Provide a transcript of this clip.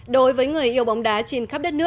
đối với người yêu bóng đá trên khắp đất